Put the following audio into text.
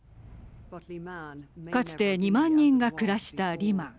かつて２万人が暮らしたリマン。